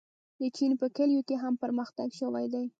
د چین په کلیو کې هم پرمختګ شوی دی.